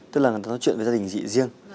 tức là người ta nói chuyện với gia đình chị riêng